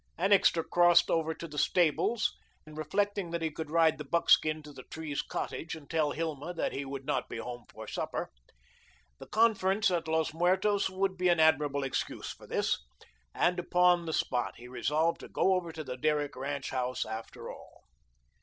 Annixter crossed over to the stables reflecting that he could ride the buckskin to the Trees' cottage and tell Hilma that he would not be home to supper. The conference at Los Muertos would be an admirable excuse for this, and upon the spot he resolved to go over to the Derrick ranch house, after all.